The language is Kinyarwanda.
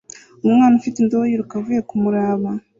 Umwana ufite indobo yiruka avuye kumuraba